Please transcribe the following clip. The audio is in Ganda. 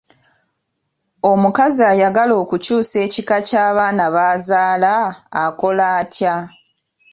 Omukazi ayagala okukyusa ekika ky'abaana b'azaala akola atya?